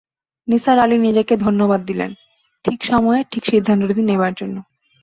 নিসার আলি নিজেকে ধন্যবাদ দিলেন, ঠিক সময়ে ঠিক সিন্ধান্তটি নেবার জন্যে।